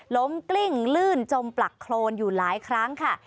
กลิ้งลื่นจมปลักโครนอยู่หลายครั้งค่ะ